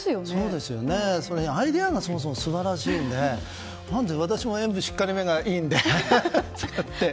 アイデアが素晴らしくてなので私も塩分しっかりめがいいので。